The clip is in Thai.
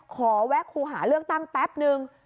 แวะครูหาเลือกตั้งแป๊บนึง